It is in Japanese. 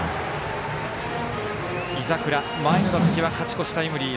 井櫻、前の打席は勝ち越しタイムリー。